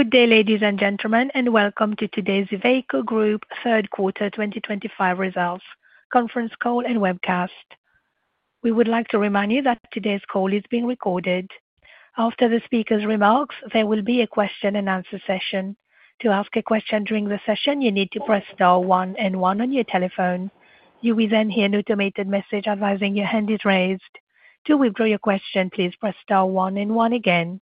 Good day, ladies and gentlemen, and welcome to today's Iveco Group third quarter 2025 results conference call and webcast. We would like to remind you that today's call is being recorded. After the speaker's remarks, there will be a question-and-answer session. To ask a question during the session, you need to press star one and one on your telephone. You will then hear an automated message advising your hand is raised. To withdraw your question, please press star one and one again.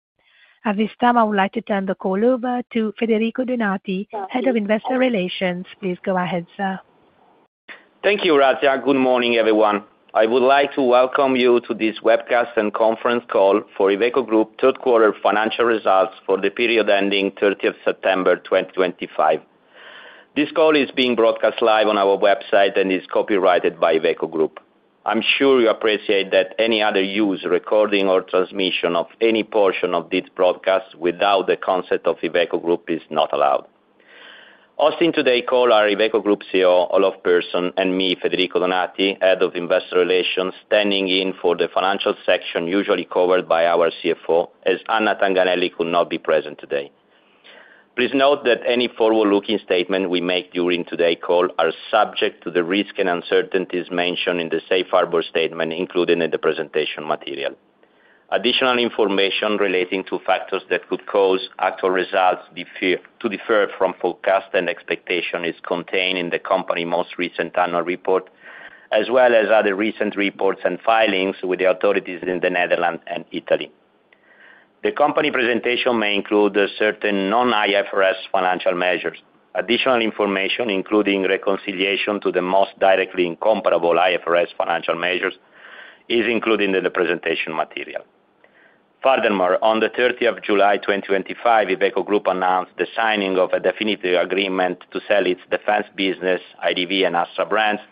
At this time, I would like to turn the call over to Federico Donati, Head of Investor Relations. Please go ahead, sir. Thank you, Razia. Good morning, everyone. I would like to welcome you to this webcast and conference call for Iveco Group third quarter financial results for the period ending 30th September 2025. This call is being broadcast live on our website and is copyrighted by Iveco Group. I'm sure you appreciate that any other use, recording, or transmission of any portion of this broadcast without the consent of Iveco Group is not allowed. Hosting today's call are Iveco Group CEO, Olof Persson, and me, Federico Donati, Head of Investor Relations, standing in for the financial section usually covered by our CFO, as Anna Tanganelli could not be present today. Please note that any forward-looking statement we make during today's call is subject to the risk and uncertainties mentioned in the safe harbor statement included in the presentation material. Additional information relating to factors that could cause actual results to differ from forecast and expectation is contained in the company's most recent annual report, as well as other recent reports and filings with the authorities in the Netherlands and Italy. The company presentation may include certain non-IFRS financial measures. Additional information, including reconciliation to the most directly incomparable IFRS financial measures, is included in the presentation material. Furthermore, on the 30 of July 2025, Iveco Group announced the signing of a definitive agreement to sell its Defense business, IDV and ASA brands,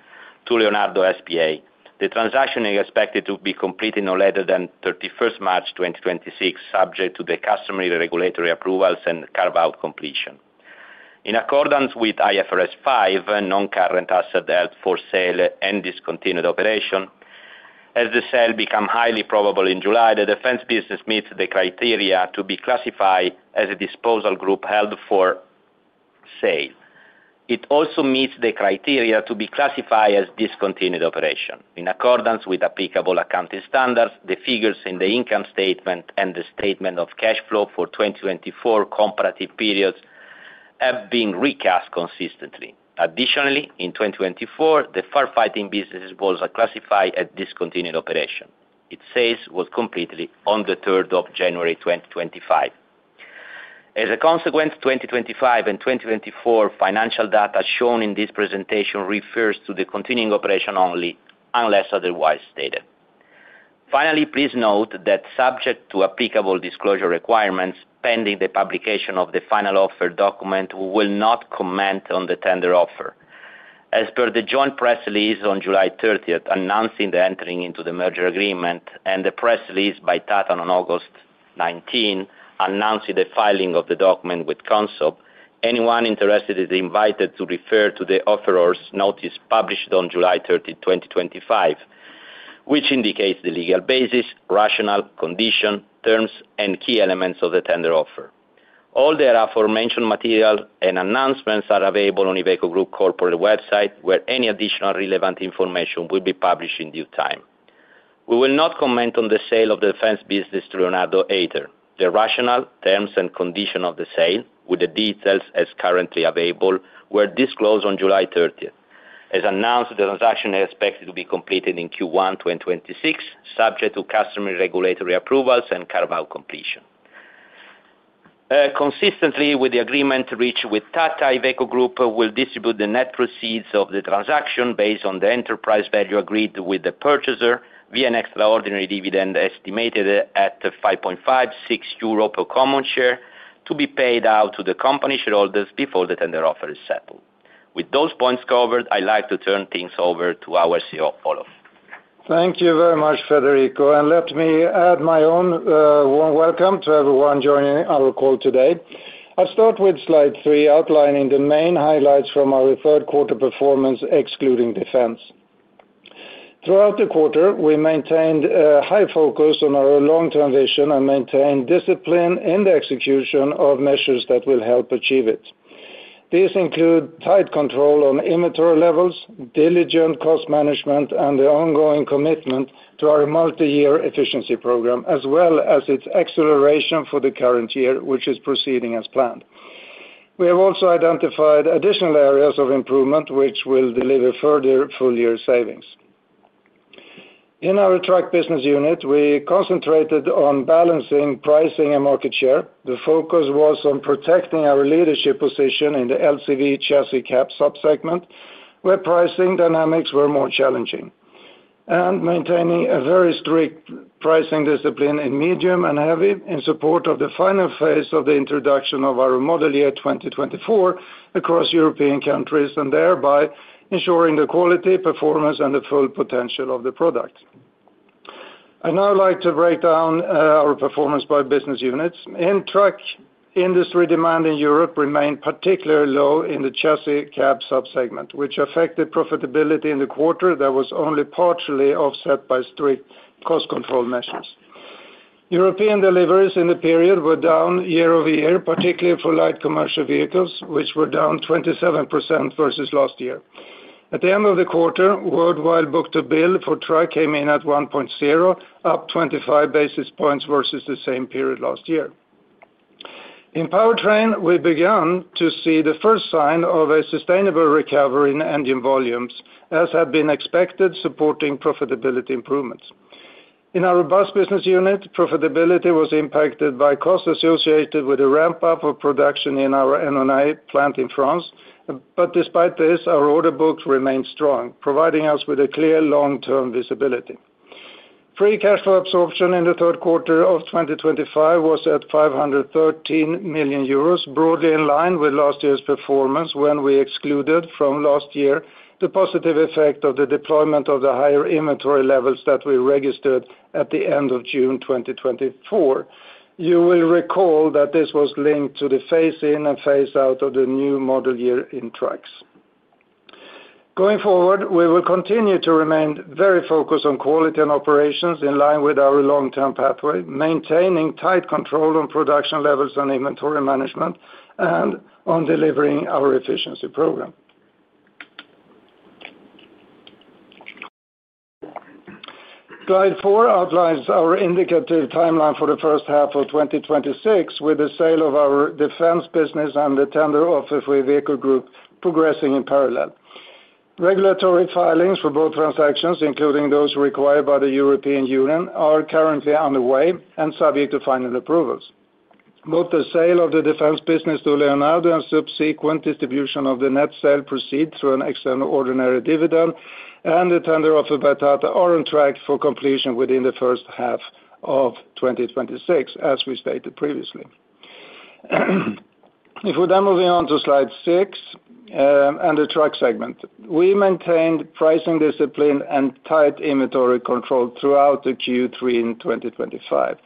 to Leonardo S.p.A. The transaction is expected to be completed no later than 31st March 2026, subject to the customary regulatory approvals and carve-out completion. In accordance with IFRS 5, non-current asset held for sale and discontinued operation, as the sale became highly probable in July, the Defense business meets the criteria to be classified as a disposal group held for sale. It also meets the criteria to be classified as discontinued operation. In accordance with applicable accounting standards, the figures in the income statement and the statement of cash flow for 2024 comparative periods have been recast consistently. Additionally, in 2024, the firefighting business was classified as discontinued operation. Its sales were completed on the 3rd of January 2025. As a consequence, 2025 and 2024 financial data shown in this presentation refers to the continuing operation only, unless otherwise stated. Finally, please note that subject to applicable disclosure requirements, pending the publication of the final offer document, we will not comment on the tender offer. As per the joint press release on July 30th announcing the entering into the merger agreement and the press release by Tata Motors on August 19 announcing the filing of the document with CONSOB, anyone interested is invited to refer to the offeror's notice published on July 30, 2025. This indicates the legal basis, rationale, condition, terms, and key elements of the tender offer. All the aforementioned material and announcements are available on the Iveco Group corporate website, where any additional relevant information will be published in due time. We will not comment on the sale of the Defense business to Leonardo either. The rationale, terms, and condition of the sale, with the details as currently available, were disclosed on July 30th. As announced, the transaction is expected to be completed in Q1 2026, subject to customary regulatory approvals and carve-out completion. Consistently with the agreement reached with Tata, Iveco Group will distribute the net proceeds of the transaction based on the enterprise value agreed with the purchaser via an extraordinary dividend estimated at 5.56 euro per common share to be paid out to the company shareholders before the tender offer is settled. With those points covered, I'd like to turn things over to our CEO, Olof. Thank you very much, Federico. Let me add my own warm welcome to everyone joining our call today. I'll start with slide three, outlining the main highlights from our third quarter performance, excluding Defense. Throughout the quarter, we maintained a high focus on our long-term vision and maintained discipline in the execution of measures that will help achieve it. These include tight control on inventory levels, diligent cost management, and the ongoing commitment to our multi-year efficiency program, as well as its acceleration for the current year, which is proceeding as planned. We have also identified additional areas of improvement, which will deliver further full-year savings. In our Truck business unit, we concentrated on balancing pricing and market share. The focus was on protecting our leadership position in the LCV Chassis Cab subsegment, where pricing dynamics were more challenging, and maintaining a very strict pricing discipline in medium and heavy in support of the final phase of the introduction of our Model Year 2024 across European countries, and thereby ensuring the quality, performance, and the full potential of the product. I'd now like to break down our performance by business units. In Truck, industry demand in Europe remained particularly low in the Chassis Cab subsegment, which affected profitability in the quarter that was only partially offset by strict cost control measures. European deliveries in the period were down year over year, particularly for light commercial vehicles, which were down 27% versus last year. At the end of the quarter, worldwide book-to-bill for Truck came in at 1.0, up 25 basis points versus the same period last year. In Powertrain, we began to see the first sign of a sustainable recovery in engine volumes, as had been expected, supporting profitability improvements. In our bus business unit, profitability was impacted by costs associated with a ramp-up of production in our NNI plant in France. Despite this, our order books remained strong, providing us with a clear long-term visibility. Free cash flow absorption in the third quarter of 2025 was at 513 million euros, broadly in line with last year's performance when we excluded from last year the positive effect of the deployment of the higher inventory levels that we registered at the end of June 2024. You will recall that this was linked to the phase-in and phase-out of the new model year in trucks. Going forward, we will continue to remain very focused on quality and operations in line with our long-term pathway, maintaining tight control on production levels and inventory management, and on delivering our efficiency program. Slide four outlines our indicative timeline for the first half of 2026, with the sale of our Defense business and the tender offer with Iveco Group progressing in parallel. Regulatory filings for both transactions, including those required by the European Union, are currently underway and subject to final approvals. Both the sale of the Defense business to Leonardo and subsequent distribution of the net sale proceeds through an external ordinary dividend and the tender offer by Tata are on Truck for completion within the first half of 2026, as we stated previously. If we're then moving on to slide six. The Truck segment, we maintained pricing discipline and tight inventory control throughout Q3 in 2025.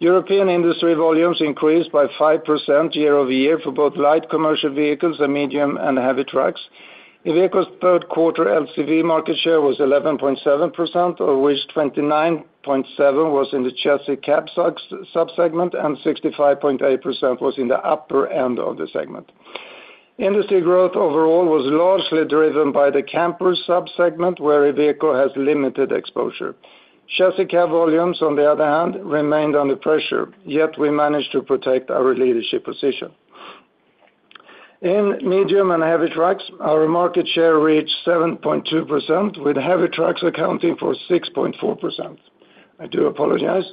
European industry volumes increased by 5% year-over-year for both light commercial vehicles and medium and heavy trucks. Iveco's third quarter LCV market share was 11.7%, of which 29.7% was in the chassis cab subsegment, and 65.8% was in the upper end of the segment. Industry growth overall was largely driven by the camper subsegment, where Iveco has limited exposure. Chassis cab volumes, on the other hand, remained under pressure, yet we managed to protect our leadership position. In medium and heavy trucks, our market share reached 7.2%, with heavy trucks accounting for 6.4%. I do apologize.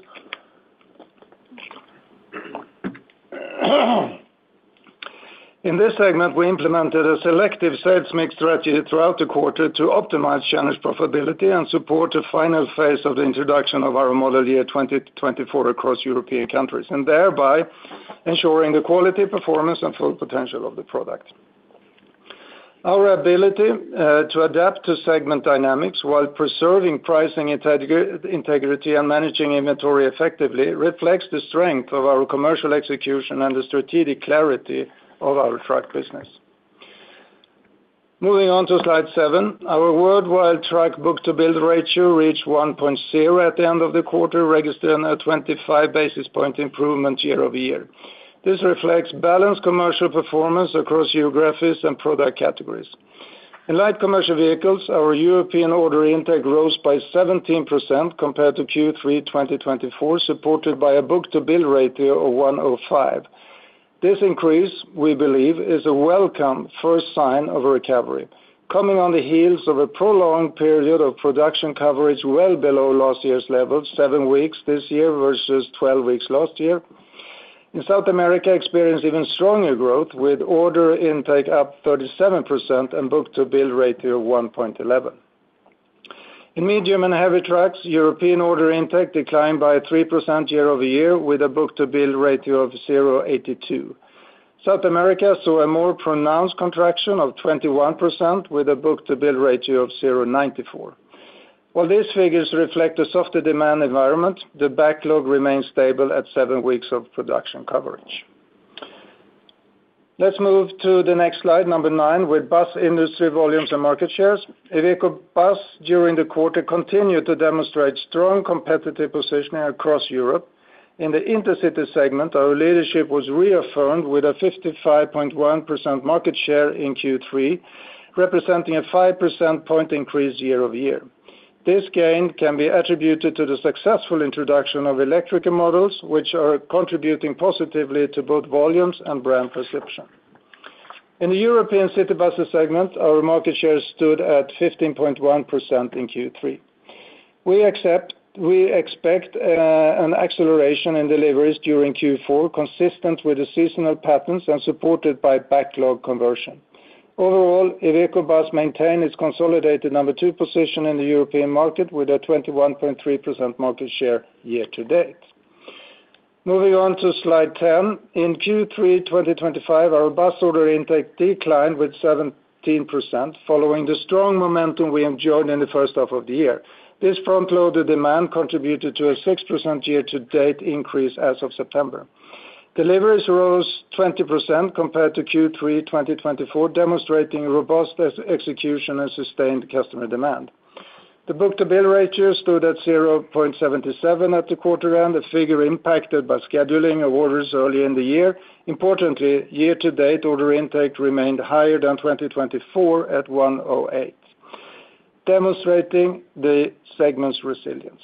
In this segment, we implemented a selective sales mix strategy throughout the quarter to optimize challenge profitability and support the final phase of the introduction of our Model Year 2024 across European countries, and thereby ensuring the quality, performance, and full potential of the product. Our ability to adapt to segment dynamics while preserving pricing integrity and managing inventory effectively reflects the strength of our commercial execution and the strategic clarity of our Truck business. Moving on to slide seven, our worldwide Truck book-to-bill ratio reached 1.0 at the end of the quarter, registering a 25 basis point improvement year over year. This reflects balanced commercial performance across geographies and product categories. In light commercial vehicles, our European order intake rose by 17% compared to Q3 2024, supported by a book-to-bill ratio of 105. This increase, we believe, is a welcome first sign of recovery, coming on the heels of a prolonged period of production coverage well below last year's levels, seven weeks this year versus 12 weeks last year. In South America, we experienced even stronger growth, with order intake up 37% and book-to-bill ratio of 1.11. In medium and heavy trucks, European order intake declined by 3% year-over-year, with a book-to-bill ratio of 0.82. South America saw a more pronounced contraction of 21%, with a book-to-bill ratio of 0.94. While these figures reflect a softer demand environment, the backlog remains stable at seven weeks of production coverage. Let's move to the next slide, number nine, with bus industry volumes and market shares. Iveco Bus during the quarter continued to demonstrate strong competitive positioning across Europe. In the intercity segment, our leadership was reaffirmed with a 55.1% market share in Q3, representing a 5 percentage point increase year-over-year. This gain can be attributed to the successful introduction of electric models, which are contributing positively to both volumes and brand perception. In the European city bus segment, our market share stood at 15.1% in Q3. We expect an acceleration in deliveries during Q4, consistent with the seasonal patterns and supported by backlog conversion. Overall, Iveco Bus maintained its consolidated number two position in the European market with a 21.3% market share year-to-date. Moving on to slide 10, in Q3 2025, our bus order intake declined by 17%, following the strong momentum we enjoyed in the first half of the year. This front-loaded demand contributed to a 6% year-to-date increase as of September. Deliveries rose 20% compared to Q3 2024, demonstrating robust execution and sustained customer demand. The book-to-bill ratio stood at 0.77 at the quarter end, a figure impacted by scheduling of orders early in the year. Importantly, year-to-date, order intake remained higher than 2024 at 108, demonstrating the segment's resilience.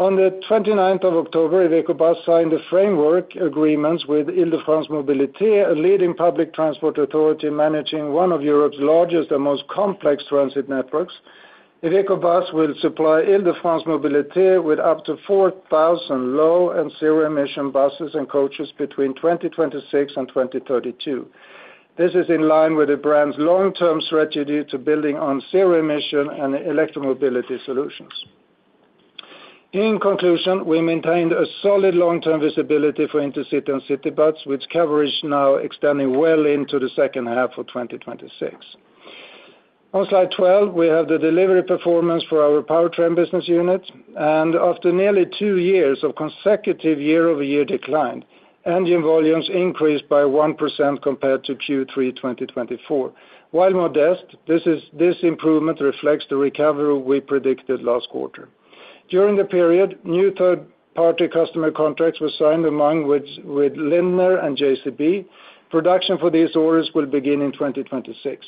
On the 29th of October, Iveco Bus signed the framework agreements with Île-de-France Mobilité, a leading public transport authority managing one of Europe's largest and most complex transit networks. Iveco Bus will supply Île-de-France Mobilité with up to 4,000 low and zero-emission buses and coaches between 2026 and 2032. This is in line with the brand's long-term strategy to building on zero-emission and electromobility solutions. In conclusion, we maintained a solid long-term visibility for intercity and city buses, with coverage now extending well into the second half of 2026. On slide 12, we have the delivery performance for our Powertrain business unit. After nearly two years of consecutive year-over-year decline, engine volumes increased by 1% compared to Q3 2024. While modest, this improvement reflects the recovery we predicted last quarter. During the period, new third-party customer contracts were signed among Lindner and JCB. Production for these orders will begin in 2026.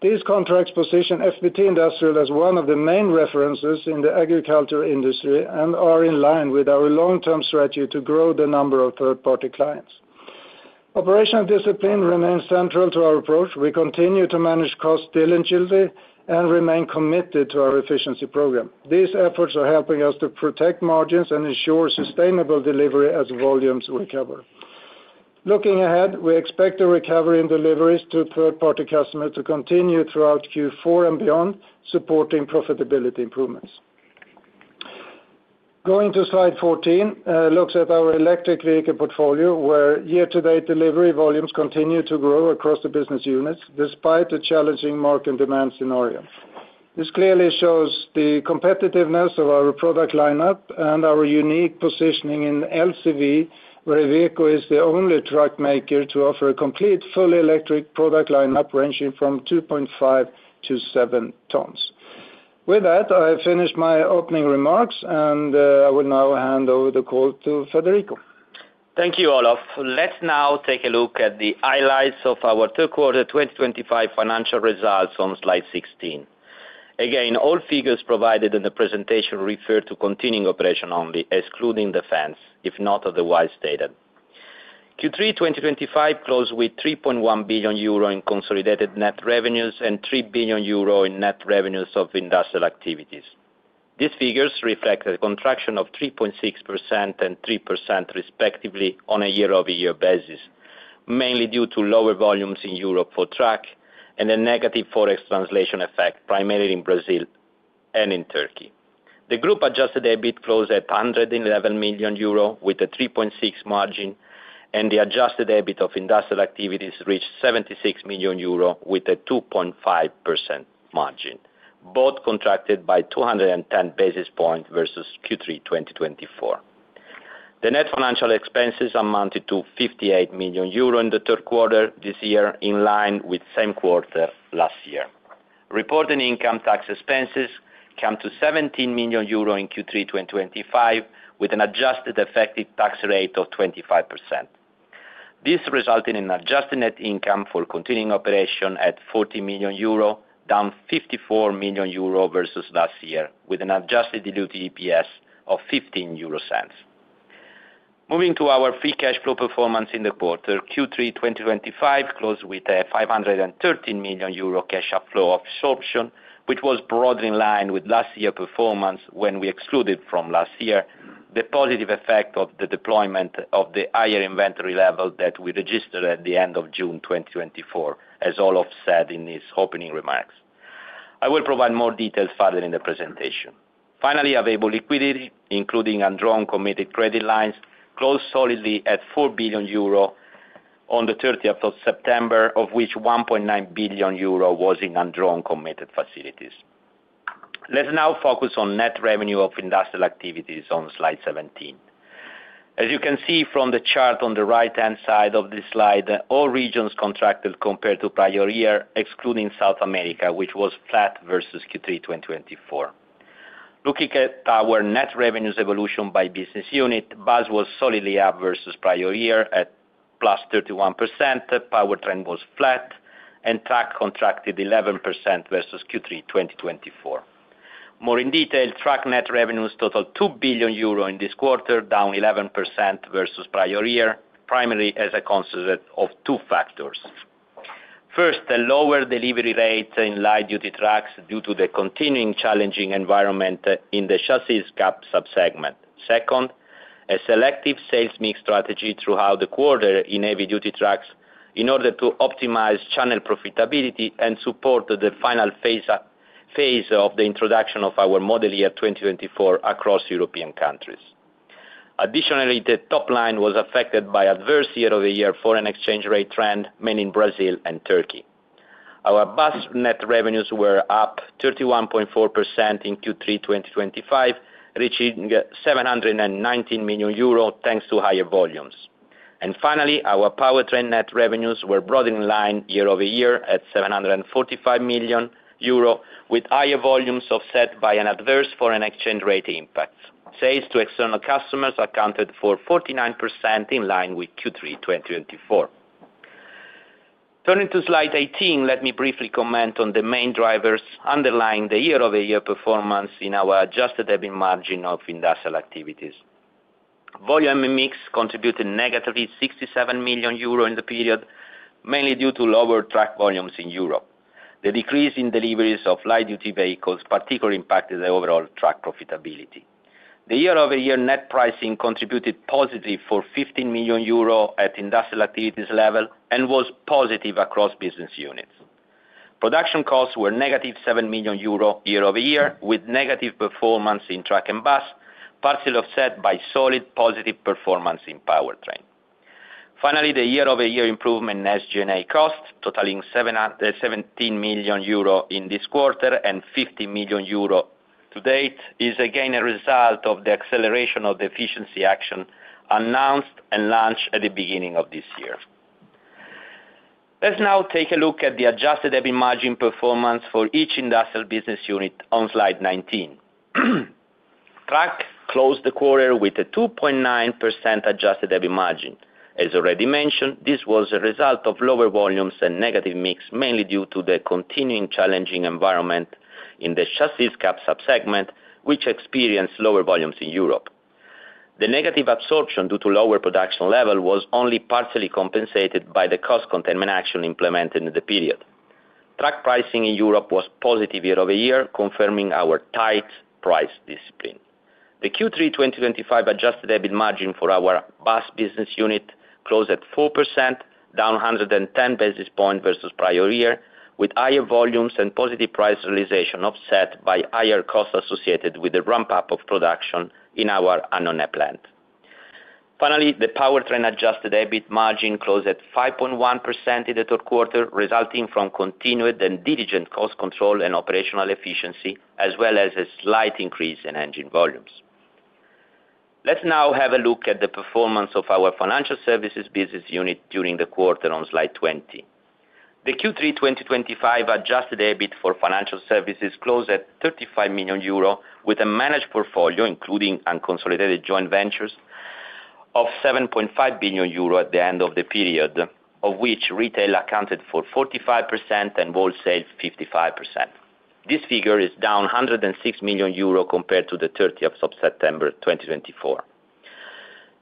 These contracts position FPT Industrial as one of the main references in the agriculture industry and are in line with our long-term strategy to grow the number of third-party clients. Operational discipline remains central to our approach. We continue to manage cost diligently and remain committed to our efficiency program. These efforts are helping us to protect margins and ensure sustainable delivery as volumes recover. Looking ahead, we expect a recovery in deliveries to third-party customers to continue throughout Q4 and beyond, supporting profitability improvements. Going to slide 14, it looks at our electric vehicle portfolio, where year-to-date delivery volumes continue to grow across the business units, despite the challenging market demand scenario. This clearly shows the competitiveness of our product lineup and our unique positioning in LCV, where Iveco is the only truck maker to offer a complete fully electric product lineup ranging from 2.5-7 tons. With that, I finished my opening remarks, and I will now hand over the call to Federico. Thank you, Olof. Let's now take a look at the highlights of our third quarter 2025 financial results on slide 16. Again, all figures provided in the presentation refer to continuing operation only, excluding Defense, if not otherwise stated. Q3 2025 closed with 3.1 billion euro in consolidated net revenues and 3 billion euro in net revenues of industrial activities. These figures reflect a contraction of 3.6% and 3% respectively on a year-over-year basis, mainly due to lower volumes in Europe for truck and a negative forex translation effect, primarily in Brazil and in Turkey. The group adjusted EBIT closed at 111 million euro, with a 3.6% margin, and the adjusted EBIT of industrial activities reached 76 million euro, with a 2.5% margin, both contracted by 210 basis points versus Q3 2024. The net financial expenses amounted to 58 million euro in the third quarter this year, in line with the same quarter last year. Reported income tax expenses came to 17 million euro in Q3 2025, with an adjusted effective tax rate of 25%. This resulted in adjusted net income for continuing operation at 40 million euro, down 54 million euro versus last year, with an adjusted diluted EPS of 0.15. Moving to our free cash flow performance in the quarter, Q3 2025 closed with a 513 million euro cash outflow of absorption, which was broadly in line with last year's performance when we excluded from last year the positive effect of the deployment of the higher inventory level that we registered at the end of June 2024, as Olof said in his opening remarks. I will provide more details further in the presentation. Finally, available liquidity, including undrawn committed credit lines, closed solidly at 4 billion euro on the 30th of September, of which 1.9 billion euro was in undrawn committed facilities. Let's now focus on net revenue of industrial activities on slide 17. As you can see from the chart on the right-hand side of the slide, all regions contracted compared to prior year, excluding South America, which was flat versus Q3 2024. Looking at our net revenues evolution by business unit, bus was solidly up versus prior year at +31%. Powertrain was flat, and Truck contracted 11% versus Q3 2024. More in detail, Truck net revenues totaled 2 billion euro in this quarter, down 11% versus prior year, primarily as a consequence of two factors. First, a lower delivery rate in light-duty trucks due to the continuing challenging environment in the Chassis Cab subsegment. Second, a selective sales mix strategy throughout the quarter in heavy-duty trucks in order to optimize channel profitability and support the final phase of the introduction of our Model Year 2024 across European countries. Additionally, the top line was affected by adverse year-over-year foreign exchange rate trend, mainly in Brazil and Turkey. Our Bus net revenues were up 31.4% in Q3 2025, reaching 719 million euro thanks to higher volumes. Finally, our Powertrain net revenues were broadly in line year-over-year at 745 million euro, with higher volumes offset by an adverse foreign exchange rate impact. Sales to external customers accounted for 49% in line with Q3 2024. Turning to slide 18, let me briefly comment on the main drivers underlying the year-over-year performance in our adjusted EBIT margin of industrial activities. Volume mix contributed negatively 67 million euro in the period, mainly due to lower truck volumes in Europe. The decrease in deliveries of light-duty vehicles particularly impacted the overall truck profitability. The year-over-year net pricing contributed positively for 15 million euro at industrial activities level and was positive across business units. Production costs were -7 million euro year-over-year, with negative performance in Truck and Bus, partially offset by solid positive performance in Powertrain. Finally, the year-over-year improvement in SG&A costs, totaling 17 million euro in this quarter and 50 million euro to date, is again a result of the acceleration of the efficiency action announced and launched at the beginning of this year. Let's now take a look at the adjusted EBIT margin performance for each industrial business unit on slide 19. Truck closed the quarter with a 2.9% adjusted EBIT margin. As already mentioned, this was a result of lower volumes and negative mix, mainly due to the continuing challenging environment in the Chassis Cab subsegment, which experienced lower volumes in Europe. The negative absorption due to lower production level was only partially compensated by the cost containment action implemented in the period. Truck pricing in Europe was positive year-over-year, confirming our tight price discipline. The Q3 2025 adjusted EBIT margin for our bus business unit closed at 4%, down 110 basis points versus prior year, with higher volumes and positive price realization offset by higher costs associated with the ramp-up of production in our Annonay plant. Finally, the Powertrain adjusted EBIT margin closed at 5.1% in the third quarter, resulting from continued and diligent cost control and operational efficiency, as well as a slight increase in engine volumes. Let's now have a look at the performance of our financial services business unit during the quarter on slide 20. The Q3 2025 adjusted EBIT for financial services closed at 35 million euro, with a managed portfolio including unconsolidated joint ventures of 7.5 billion euro at the end of the period, of which retail accounted for 45% and wholesale 55%. This figure is down 106 million euro compared to the 30th of September 2024.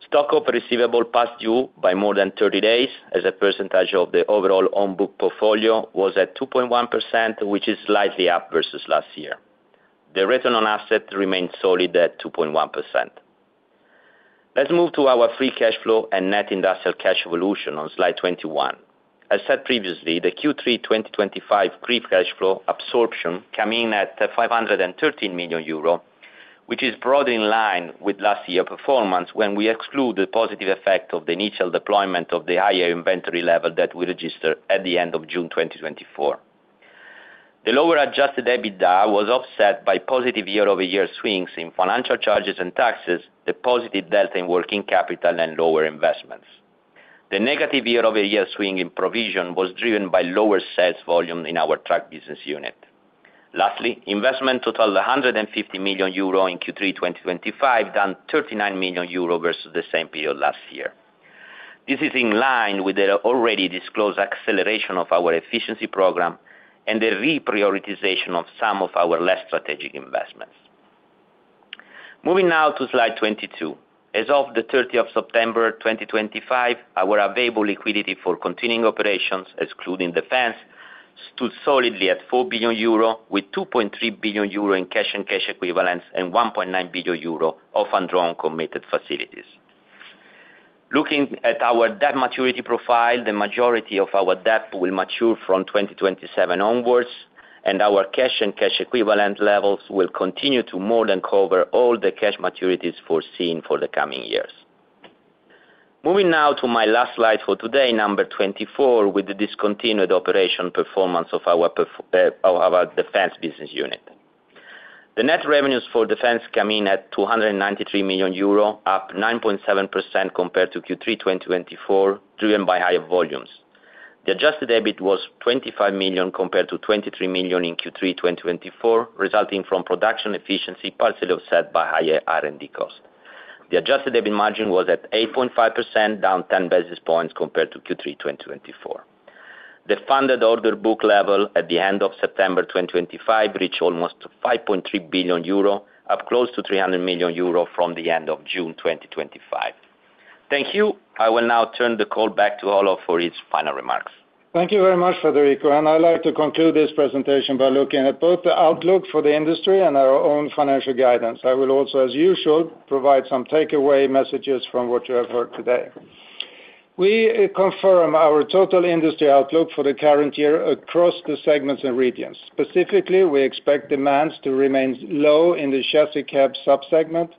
Stock of receivable past due by more than 30 days, as a percentage of the overall on-book portfolio, was at 2.1%, which is slightly up versus last year. The return on assets remained solid at 2.1%. Let's move to our free cash flow and net industrial cash evolution on slide 21. As said previously, the Q3 2025 free cash flow absorption came in at 513 million euro, which is broadly in line with last year's performance when we exclude the positive effect of the initial deployment of the higher inventory level that we registered at the end of June 2024. The lower adjusted EBITDA was offset by positive year-over-year swings in financial charges and taxes, the positive delta in working capital, and lower investments. The negative year-over-year swing in provision was driven by lower sales volume in our Truck business unit. Lastly, investment totaled 150 million euro in Q3 2025, down 39 million euro versus the same period last year. This is in line with the already disclosed acceleration of our efficiency program and the reprioritization of some of our less strategic investments. Moving now to slide 22. As of the 30th of September 2025, our available liquidity for continuing operations, excluding Defense, stood solidly at 4 billion euro, with 2.3 billion euro in cash and cash equivalents and 1.9 billion euro of undrawn committed facilities. Looking at our debt maturity profile, the majority of our debt will mature from 2027 onwards, and our cash and cash equivalent levels will continue to more than cover all the cash maturities foreseen for the coming years. Moving now to my last slide for today, number 24, with the discontinued operation performance of our Defense business unit. The net revenues for Defense came in at EUR 293 million, up 9.7% compared to Q3 2024, driven by higher volumes. The adjusted EBIT was 25 million compared to 23 million in Q3 2024, resulting from production efficiency, partially offset by higher R&D costs. The adjusted EBIT margin was at 8.5%, down 10 basis points compared to Q3 2024. The funded order book level at the end of September 2025 reached almost 5.3 billion euro, up close to 300 million euro from the end of June 2025. Thank you. I will now turn the call back to Olof for his final remarks. Thank you very much, Federico. I would like to conclude this presentation by looking at both the outlook for the industry and our own financial guidance. I will also, as usual, provide some takeaway messages from what you have heard today. We confirm our total industry outlook for the current year across the segments and regions. Specifically, we expect demand to remain low in the Chassis Cab subsegment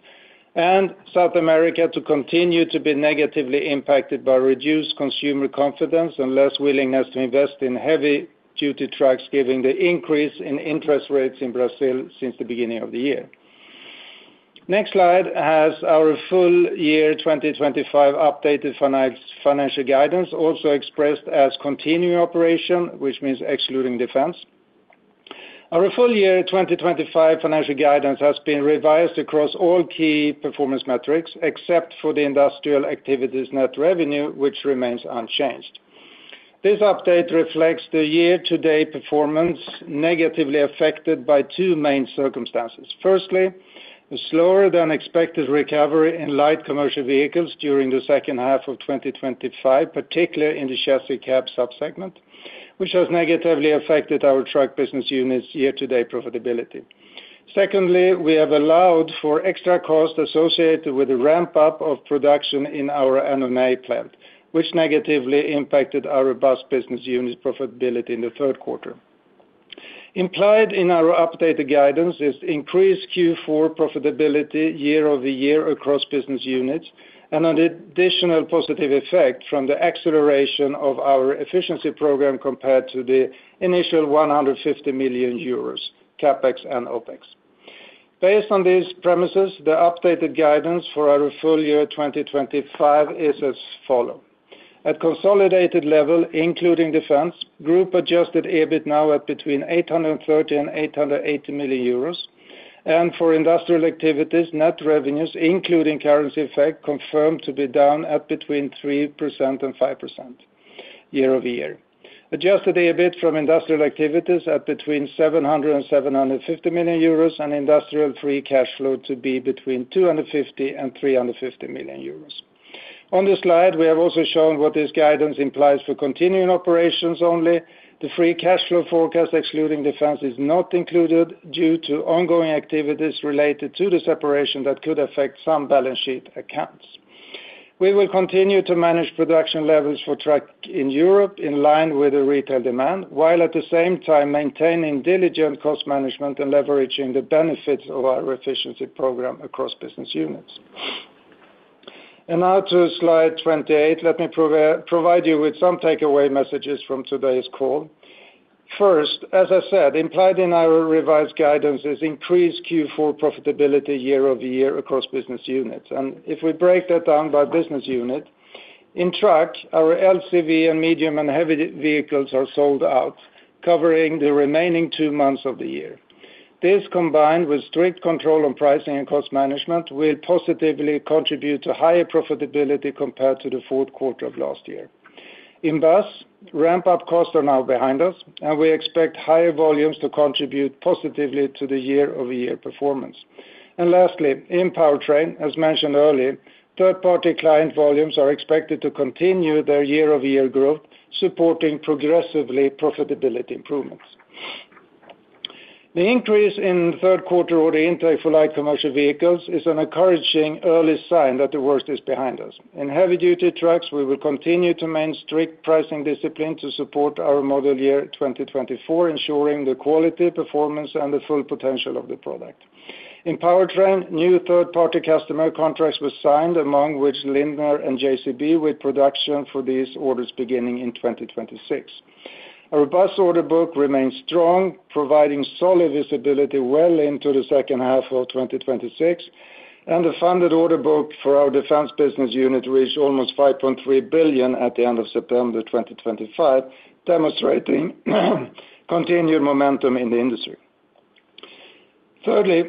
and South America to continue to be negatively impacted by reduced consumer confidence and less willingness to invest in heavy-duty trucks, given the increase in interest rates in Brazil since the beginning of the year. The next slide has our full year 2025 updated financial guidance, also expressed as continuing operation, which means excluding Defense. Our full year 2025 financial guidance has been revised across all key performance metrics, except for the industrial activities net revenue, which remains unchanged. This update reflects the year-to-date performance negatively affected by two main circumstances. Firstly, the slower-than-expected recovery in light commercial vehicles during the second half of 2025, particularly in the Chassis Cab subsegment, which has negatively affected our Truck business unit's year-to-date profitability. Secondly, we have allowed for extra costs associated with the ramp-up of production in our Annonay plant, which negatively impacted our Bus business unit's profitability in the third quarter. Implied in our updated guidance is increased Q4 profitability year-over-year across business units and an additional positive effect from the acceleration of our efficiency program compared to the initial 150 million euros CapEx and OpEx. Based on these premises, the updated guidance for our full year 2025 is as follows. At consolidated level, including Defense, group adjusted EBIT now at between 830 million and 880 million euros, and for industrial activities, net revenues, including currency effect, confirmed to be down at between 3% and 5% year-over-year. Adjusted EBIT from industrial activities at between 700 million euros and 750 million euros and industrial free cash flow to be between 250 million and 350 million euros. On this slide, we have also shown what this guidance implies for continuing operations only. The free cash flow forecast, excluding Defense, is not included due to ongoing activities related to the separation that could affect some balance sheet accounts. We will continue to manage production levels for truck in Europe in line with the retail demand, while at the same time maintaining diligent cost management and leveraging the benefits of our efficiency program across business units. Now to slide 28, let me provide you with some takeaway messages from today's call. First, as I said, implied in our revised guidance is increased Q4 profitability year-over-year across business units. If we break that down by business unit, in Truck, our LCV and medium and heavy vehicles are sold out, covering the remaining two months of the year. This, combined with strict control on pricing and cost management, will positively contribute to higher profitability compared to the fourth quarter of last year. In Bus, ramp-up costs are now behind us, and we expect higher volumes to contribute positively to the year-over-year performance. Lastly, in Powertrain, as mentioned earlier, third-party client volumes are expected to continue their year-over-year growth, supporting progressively profitability improvements. The increase in third-quarter order intake for light commercial vehicles is an encouraging early sign that the worst is behind us. In heavy-duty trucks, we will continue to maintain strict pricing discipline to support our Model Year 2024, ensuring the quality, performance, and the full potential of the product. In Powertrain, new third-party customer contracts were signed, among which Lindner and JCB, with production for these orders beginning in 2026. Our bus order book remains strong, providing solid visibility well into the second half of 2026, and the funded order book for our Defense business unit reached almost 5.3 billion at the end of September 2025, demonstrating continued momentum in the industry. Thirdly,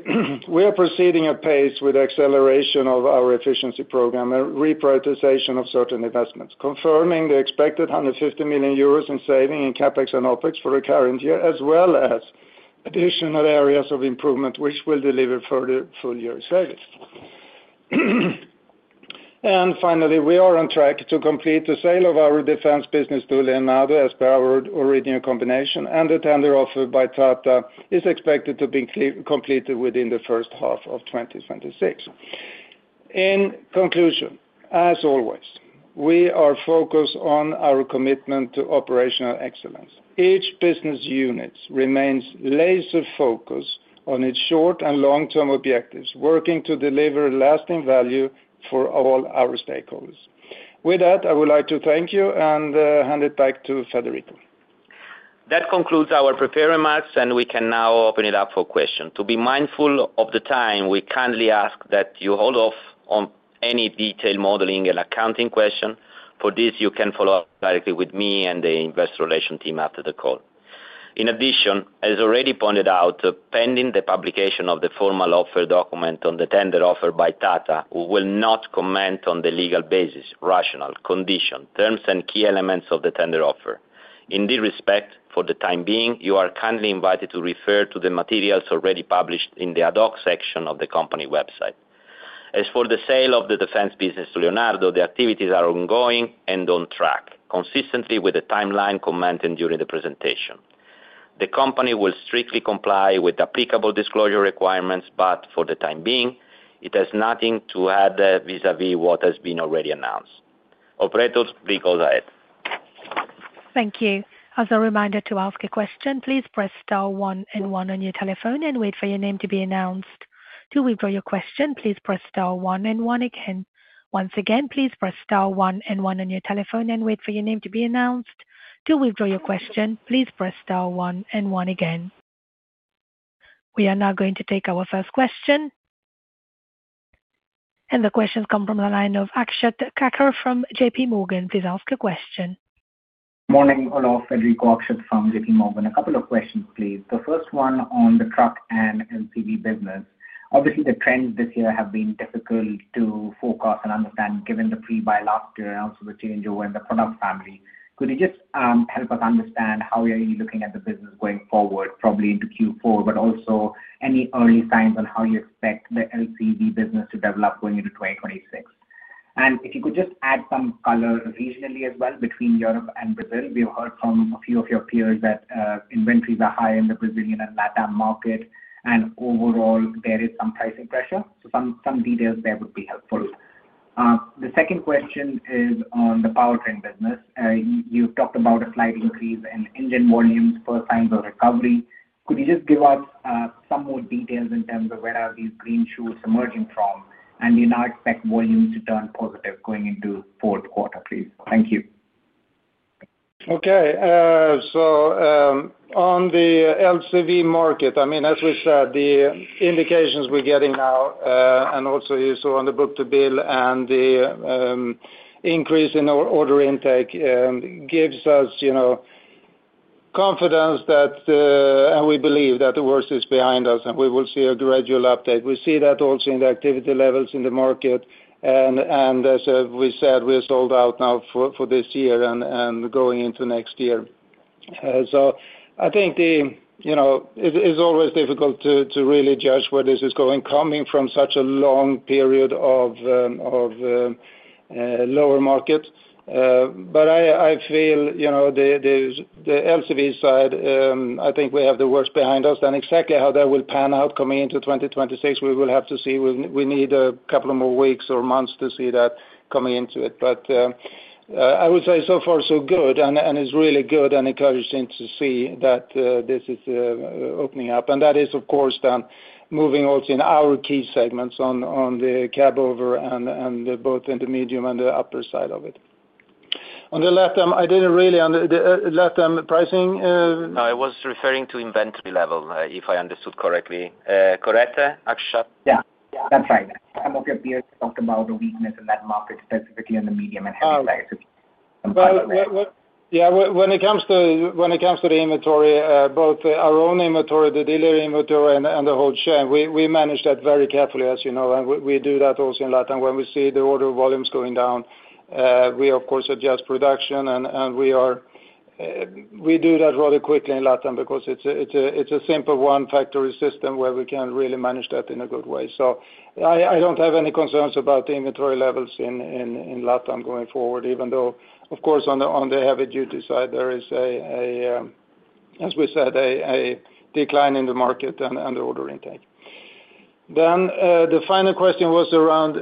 we are proceeding at pace with the acceleration of our efficiency program and reprioritization of certain investments, confirming the expected 150 million euros in savings in CapEx and OpEx for the current year, as well as additional areas of improvement, which will deliver further full-year savings. Finally, we are on Truck to complete the sale of our Defense business to Leonardo as per our original combination, and the tender offer by Tata Motors is expected to be completed within the first half of 2026. In conclusion, as always, we are focused on our commitment to operational excellence. Each business unit remains laser-focused on its short and long-term objectives, working to deliver lasting value for all our stakeholders. With that, I would like to thank you and hand it back to Federico. That concludes our prepared remarks, and we can now open it up for questions. To be mindful of the time, we kindly ask that you hold off on any detailed modeling and accounting questions. For this, you can follow up directly with me and the investor relations team after the call. In addition, as already pointed out, pending the publication of the formal offer document on the tender offer by Tata, we will not comment on the legal basis, rationale, conditions, terms, and key elements of the tender offer. In this respect, for the time being, you are kindly invited to refer to the materials already published in the Ad hoc section of the company website. As for the sale of the Defense business to Leonardo, the activities are ongoing and on Truck, consistently with the timeline commented during the presentation. The company will strictly comply with applicable disclosure requirements, but for the time being, it has nothing to add vis-à-vis what has been already announced. Operator, please go ahead. Thank you. As a reminder to ask a question, please press star one and one on your telephone and wait for your name to be announced. To withdraw your question, please press star one and one again. Once again, please press star one and one on your telephone and wait for your name to be announced. To withdraw your question, please press star one and one again. We are now going to take our first question. The questions come from the line of Akshat Kacker from JPMorgan. Please ask a question. Good morning. Hello, Olof, Federico. Akshat from JPMorgan. A couple of questions, please. The first one on the Truck and LCV business. Obviously, the trends this year have been difficult to forecast and understand given the pre-buy last year and also the change over in the product family. Could you just help us understand how you're looking at the business going forward, probably into Q4, but also any early signs on how you expect the LCV business to develop going into 2026? And if you could just add some color regionally as well between Europe and Brazil. We have heard from a few of your peers that inventories are high in the Brazilian and LatAm market, and overall, there is some pricing pressure. Some details there would be helpful. The second question is on the Powertrain business. You've talked about a slight increase in engine volumes, first signs of recovery. Could you just give us some more details in terms of where are these green shoots emerging from, and do you not expect volumes to turn positive going into fourth quarter, please? Thank you. Okay. On the LCV market, I mean, as we said, the indications we're getting now and also on the book-to-bill and the increase in order intake gives us confidence that we believe that the worst is behind us and we will see a gradual update. We see that also in the activity levels in the market. As we said, we're sold out now for this year and going into next year. I think it's always difficult to really judge where this is going coming from such a long period of lower market. I feel the LCV side, I think we have the worst behind us. Exactly how that will pan out coming into 2026, we will have to see. We need a couple more weeks or months to see that coming into it. I would say so far so good, and it's really good and encouraging to see that this is opening up. That is, of course, then moving also in our key segments on the cab over and both in the medium and the upper side of it. On the LatAm, I didn't really under LatAm pricing. No, I was referring to inventory level, if I understood correctly. Correct, Akshat? Yeah. That's right. And what your peers talked about, the weakness in that market, specifically in the medium and heavy prices. Yeah. When it comes to the inventory, both our own inventory, the dealer inventory, and the whole chain, we manage that very carefully, as you know. We do that also in LatAm. When we see the order volumes going down, we, of course, adjust production, and we do that rather quickly in LatAm because it is a simple one-factory system where we can really manage that in a good way. I do not have any concerns about the inventory levels in LatAm going forward, even though, of course, on the heavy-duty side, there is, as we said, a decline in the market and the order intake. The final question was around.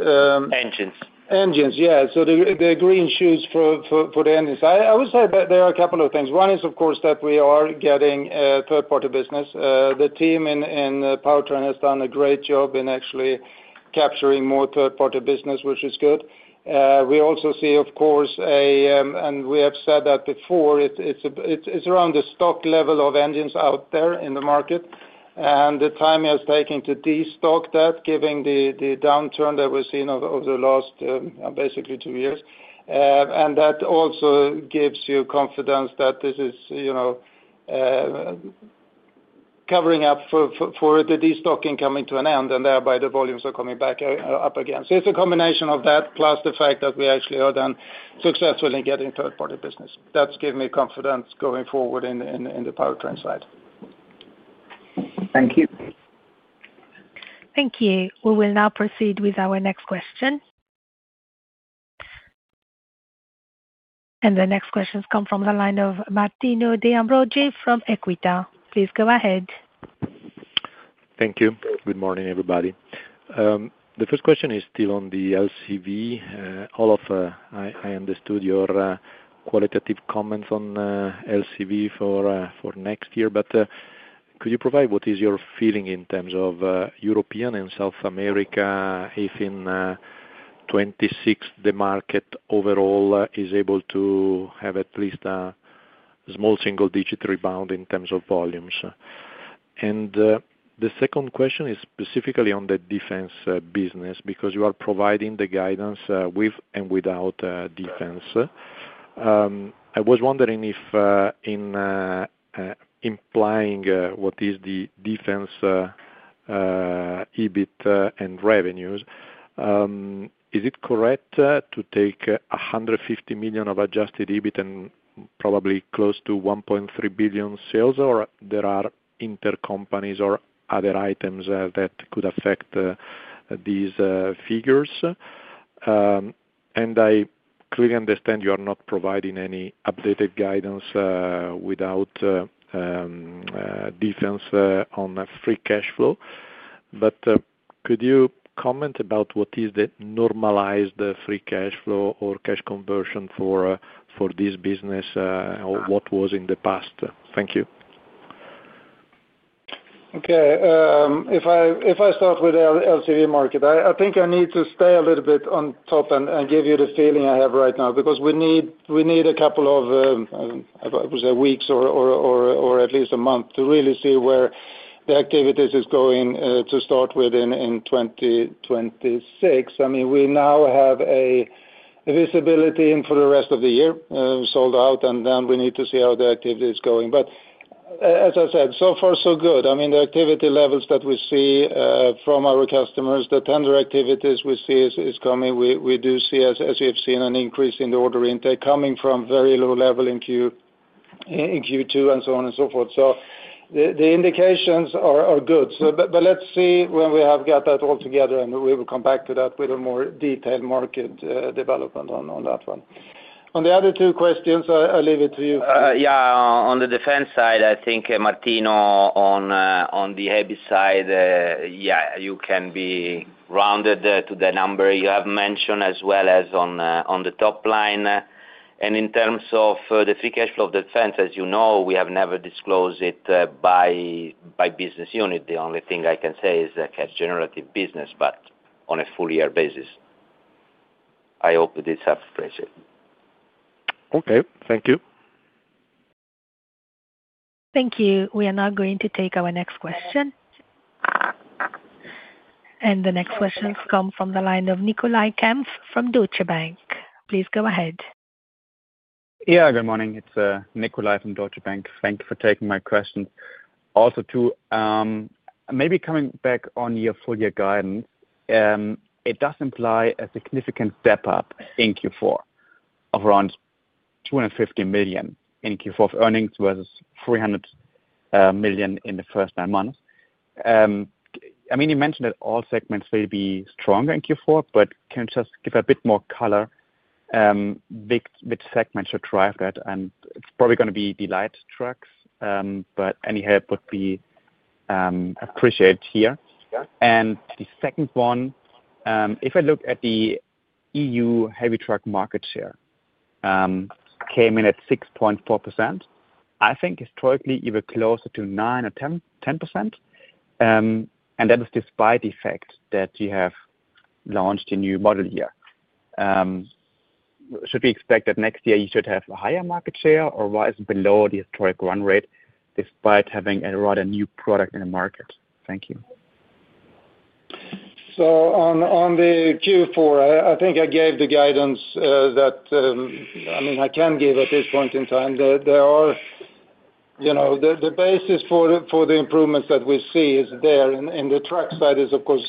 Engines. Engines, yes. The green shoots for the engines, I would say that there are a couple of things. One is, of course, that we are getting third-party business. The team in Powertrain has done a great job in actually capturing more third-party business, which is good. We also see, of course, and we have said that before, it is around the stock level of engines out there in the market. The time it has taken to destock that, given the downturn that we have seen over the last basically two years, also gives you confidence that this is covering up for the destocking coming to an end, and thereby the volumes are coming back up again. It is a combination of that, plus the fact that we actually are then successfully getting third-party business. That is giving me confidence going forward in the Powertrain side. Thank you. Thank you. We will now proceed with our next question. The next questions come from the line of Martino De Ambroggi from Equita. Please go ahead. Thank you. Good morning, everybody. The first question is still on the LCV. Olof, I understood your qualitative comments on LCV for next year, but could you provide what is your feeling in terms of European and South America, if in 2026 the market overall is able to have at least a small single-digit rebound in terms of volumes? The second question is specifically on the Defense business because you are providing the guidance with and without Defense. I was wondering if in implying what is the Defense EBIT and revenues. Is it correct to take 150 million of adjusted EBIT and probably close to 1.3 billion sales, or there are inter-company or other items that could affect these figures? I clearly understand you are not providing any updated guidance without Defense on free cash flow. Could you comment about what is the normalized free cash flow or cash conversion for this business, or what was in the past? Thank you. Okay. If I start with the LCV market, I think I need to stay a little bit on top and give you the feeling I have right now because we need a couple of, I would say, weeks or at least a month to really see where the activities are going to start with in 2026. I mean, we now have a visibility in for the rest of the year, sold out, and then we need to see how the activity is going. As I said, so far so good. I mean, the activity levels that we see from our customers, the tender activities we see is coming. We do see, as you have seen, an increase in the order intake coming from very low level in Q2 and so on and so forth. The indications are good. Let's see when we have got that all together, and we will come back to that with a more detailed market development on that one. On the other two questions, I leave it to you. Yeah. On the Defense side, I think, Martino, on the heavy side, yeah, you can be rounded to the number you have mentioned as well as on the top line. In terms of the free cash flow of Defense, as you know, we have never disclosed it by business unit. The only thing I can say is that it is a cash generative business, but on a full-year basis. I hope this helps phrase it. Okay. Thank you. Thank you. We are now going to take our next question. The next questions come from the line of Nikolai Kempf from Deutsche Bank. Please go ahead. Yeah. Good morning. It's Nikolai from Deutsche Bank. Thank you for taking my questions. Also, too. Maybe coming back on your full-year guidance. It does imply a significant step up in Q4 of around 250 million in Q4 of earnings versus 300 million in the first nine months. I mean, you mentioned that all segments will be stronger in Q4, but can you just give a bit more color. Which segments should drive that? It's probably going to be the light trucks, but any help would be appreciated here. The second one, if I look at the EU heavy truck market share, came in at 6.4%. I think historically even closer to 9% or 10%. That is despite the fact that you have launched a new model year. Should we expect that next year you should have a higher market share or rise below the historic run rate despite having a rather new product in the market? Thank you. On the Q4, I think I gave the guidance that. I mean, I can give at this point in time. The basis for the improvements that we see is there. In the Truck side, it is, of course,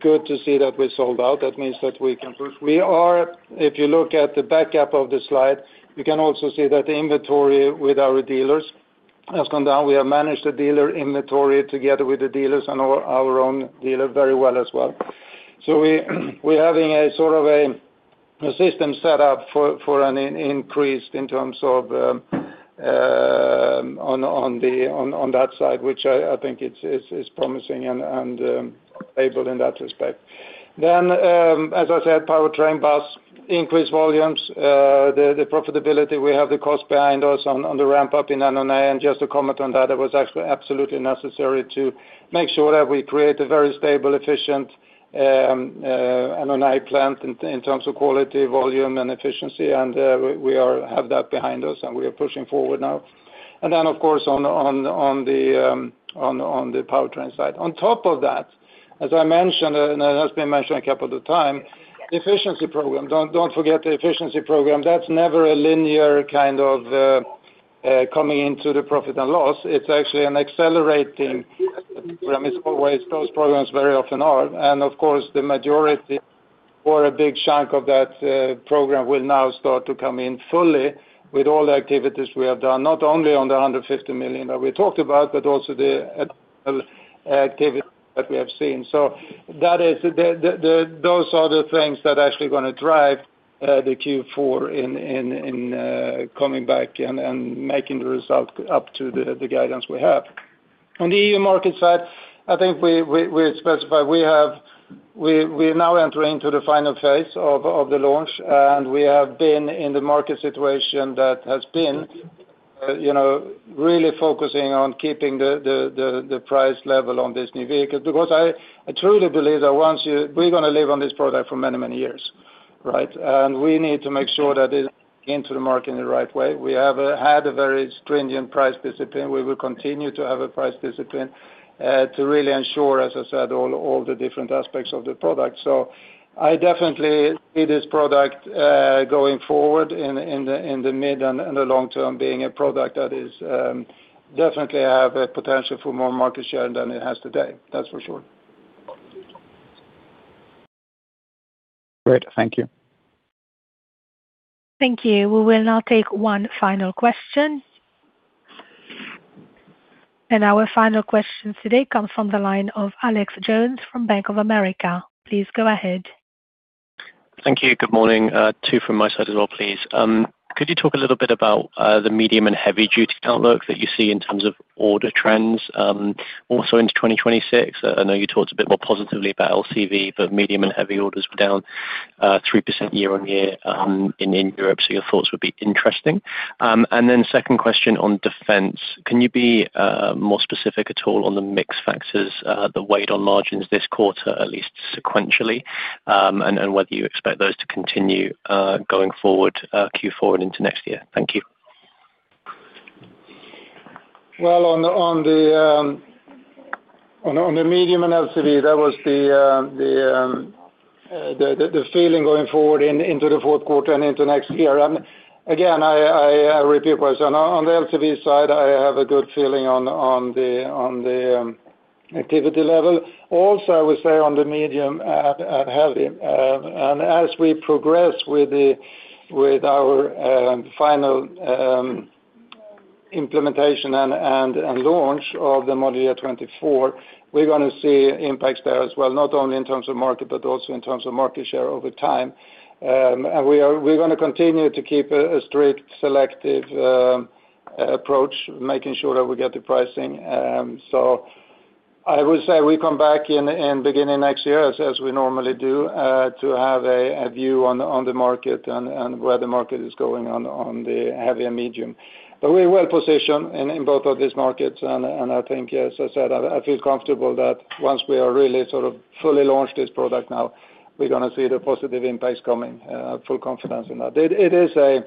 good to see that we are sold out. That means that we can push. If you look at the backup of the slide, you can also see that the inventory with our dealers has gone down. We have managed the dealer inventory together with the dealers and our own dealer very well as well. We are having a sort of a system set up for an increase in terms of on that side, which I think is promising and stable in that respect. As I said, Powertrain, Bus, increased volumes, the profitability. We have the cost behind us on the ramp-up in Annonay. Just to comment on that, it was absolutely necessary to make sure that we create a very stable, efficient Annonay plant in terms of quality, volume, and efficiency. We have that behind us, and we are pushing forward now. Of course, on the Powertrain side, on top of that, as I mentioned, and it has been mentioned a couple of times, efficiency program. Do not forget the efficiency program. That is never a linear kind of coming into the profit and loss. It is actually an accelerating program. It is always those programs very often are. Of course, the majority or a big chunk of that program will now start to come in fully with all the activities we have done, not only on the 150 million that we talked about, but also the activity that we have seen. Those are the things that actually are going to drive the Q4 in. Coming back and making the result up to the guidance we have. On the EU market side, I think we specify we now enter into the final phase of the launch, and we have been in the market situation that has been really focusing on keeping the price level on this new vehicle because I truly believe that we're going to live on this product for many, many years, right? And we need to make sure that it's getting into the market in the right way. We have had a very stringent price discipline. We will continue to have a price discipline to really ensure, as I said, all the different aspects of the product. I definitely see this product going forward in the mid and the long term being a product that definitely has a potential for more market share than it has today. That's for sure. Great. Thank you. Thank you. We will now take one final question. Our final question today comes from the line of Alex Jones from Bank of America. Please go ahead. Thank you. Good morning. Two from my side as well, please. Could you talk a little bit about the medium and heavy-duty outlook that you see in terms of order trends, also into 2026? I know you talked a bit more positively about LCV, but medium and heavy orders were down 3% year-on-year in Europe. Your thoughts would be interesting. Second question on Defense, can you be more specific at all on the mixed factors, the weight on margins this quarter, at least sequentially, and whether you expect those to continue going forward Q4 and into next year? Thank you. On the medium and LCV, that was the feeling going forward into the fourth quarter and into next year. Again, I repeat myself. On the LCV side, I have a good feeling on the activity level. Also, I would say on the medium and heavy. As we progress with our final implementation and launch of the Model Year 2024, we are going to see impacts there as well, not only in terms of market, but also in terms of market share over time. We are going to continue to keep a strict, selective approach, making sure that we get the pricing. I would say we come back in the beginning of next year, as we normally do, to have a view on the market and where the market is going on the heavy and medium. We are well positioned in both of these markets. I think, as I said, I feel comfortable that once we are really sort of fully launched this product now, we're going to see the positive impacts coming. Full confidence in that. It is a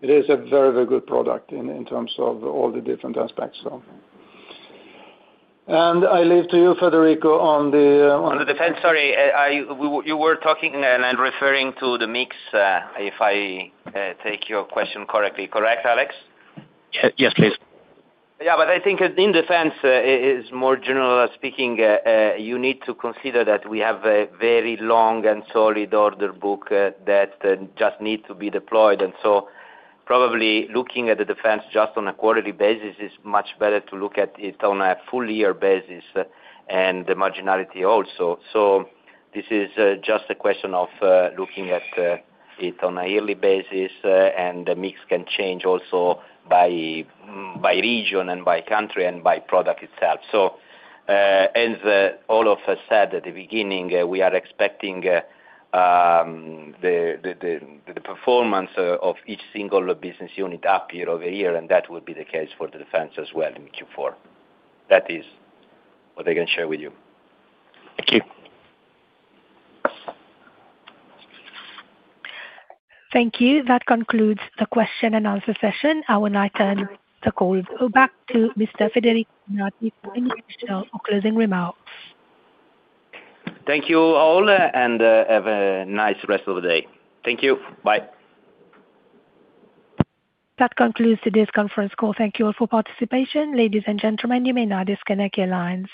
very, very good product in terms of all the different aspects. I leave to you, Federico, on the. On the Defense, sorry. You were talking and referring to the mix, if I take your question correctly. Correct, Alex? Yes, please. Yeah. I think in Defense, more generally speaking, you need to consider that we have a very long and solid order book that just needs to be deployed. Probably looking at the Defense just on a quarterly basis, it is much better to look at it on a full-year basis and the marginality also. This is just a question of looking at it on a yearly basis, and the mix can change also by region and by country and by product itself. As Olof said at the beginning, we are expecting the performance of each single business unit up year-over-year, and that will be the case for the Defense as well in Q4. That is what I can share with you. Thank you. Thank you. That concludes the question and answer session. I will now turn the call back to Mr. Federico Donati for any additional or closing remarks. Thank you all, and have a nice rest of the day. Thank you. Bye. That concludes today's conference call. Thank you all for your participation. Ladies and gentlemen, you may now disconnect your lines.